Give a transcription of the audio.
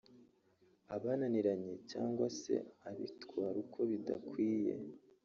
abananiranye cyangwa se abitwara uko bidakwiye